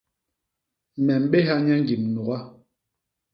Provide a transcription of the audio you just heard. Me mbéha nye ñgim nuga.